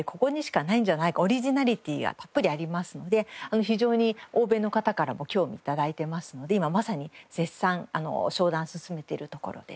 オリジナリティーがたっぷりありますので非常に欧米の方からも興味頂いてますので今まさに絶賛商談を進めているところではあります。